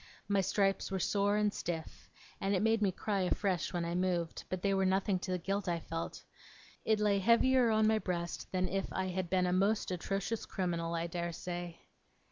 My stripes were sore and stiff, and made me cry afresh, when I moved; but they were nothing to the guilt I felt. It lay heavier on my breast than if I had been a most atrocious criminal, I dare say.